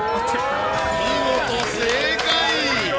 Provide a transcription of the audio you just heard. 見事正解。